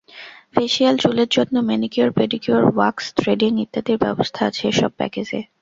Facial, চুলের যত্ন, manicure, pedicure, wax, threading ইত্যাদির ব্যবস্থা আছে এসব প্যাকেজে।